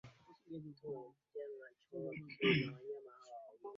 waziri clinton ambaye yuko ziarani nchini humo